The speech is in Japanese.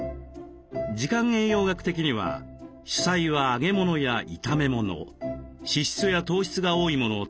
時間栄養学的には主菜は揚げ物や炒め物脂質や糖質が多いものを食べてもＯＫ。